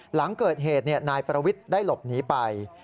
หลังเกิดเหตุนายประวิทย์ได้หลบหนีไป